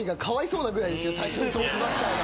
最初のトップバッターが。